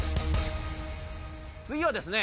次はですね